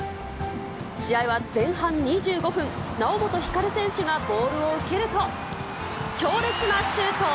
試合は前半２５分、猶本光選手がボールを受けると、強烈なシュート。